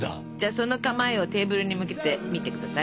その構えをテーブルに向けてみてください。